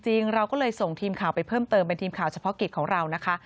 เราก็เลยส่งทีมข่าวไปเพิ่มเติมเป็นทีมข่าวเฉพาะกิจของเรานะคะ